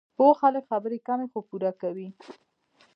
پوه خلک خبرې کمې، خو پوره کوي.